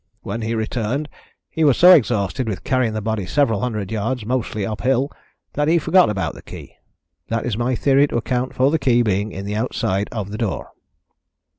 When he returned he was so exhausted with carrying the body several hundred yards, mostly uphill, that he forgot all about the key. That is my theory to account for the key being in the outside of the door."